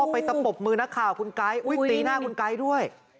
ไปตะปบมือนักข่าวคุณไก๊อุ้ยตีหน้าคุณไก๊ด้วย